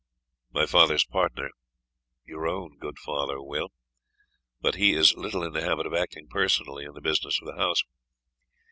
"My father's partner" (your own good father, Will) "but he is little in the habit of acting personally in the business of the house."